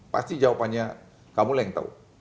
pasti jawabannya kamu lah yang tahu